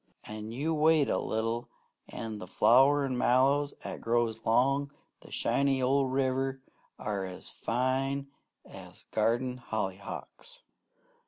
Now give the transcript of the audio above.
An' you wait a little, an' the flowerin' mallows 'at grows long the shinin' old river are fine as garden hollyhocks.